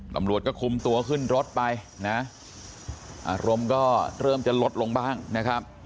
ตำรวจก็คุมตัวขึ้นรถไปนะอารมณ์ก็เริ่มจะลดลงบ้างนะครับ